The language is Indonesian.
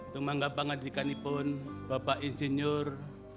tumanggap pengadilkan ipun bapak ingeniur